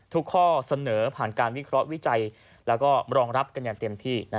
ข้อเสนอผ่านการวิเคราะห์วิจัยแล้วก็รองรับกันอย่างเต็มที่